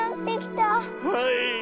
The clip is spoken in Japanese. はい。